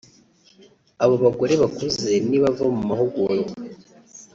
Abo bagore bakuze nibava mu mahugurwa